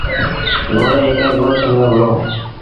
گھوڙو هڪڙي ڳوٺ ميݩ وهُڙو۔